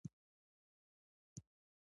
اوبه له بنده مهربانې دي.